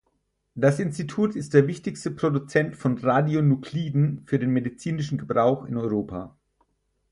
Das Institut ist der wichtigste Produzent von Radionukliden für den medizinischen Gebrauch in Europa.